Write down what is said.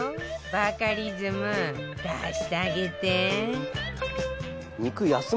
バカリズム出してあげて